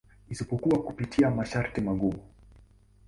Isipokuwa kupitia masharti magumu.